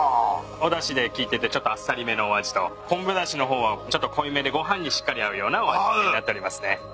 おだし効いててちょっとあっさりめのお味と昆布だしの方はちょっと濃いめでご飯にしっかり合うようなお味になっておりますね。